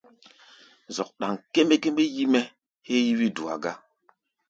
Zɔ́k ɗáŋ kémbémbé yí-mɛ́ héé yí wí-dua gá.